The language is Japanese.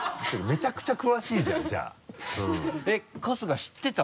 めちゃくちゃ詳しいじゃんじゃあ春日知ってた？